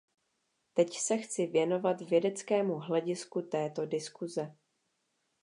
Teď se chci věnovat vědeckému hledisku této diskuse.